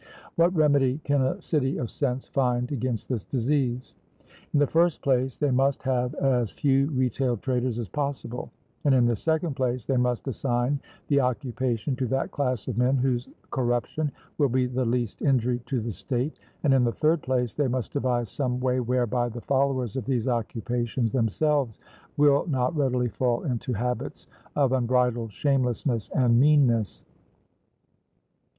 What remedy can a city of sense find against this disease? In the first place, they must have as few retail traders as possible; and in the second place, they must assign the occupation to that class of men whose corruption will be the least injury to the state; and in the third place, they must devise some way whereby the followers of these occupations themselves will not readily fall into habits of unbridled shamelessness and meanness.